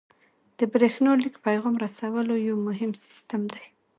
د بریښنایي لیک پیغام رسولو یو مهم سیستم دی.